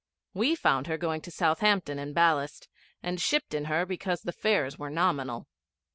We found her going to Southampton in ballast, and shipped in her because the fares were nominal.